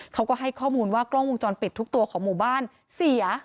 เขาก็ให้ข้อมูลว่ากล้องวงจรปิดทุกตัวของหมู่บ้านเสีย